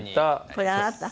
これあなた？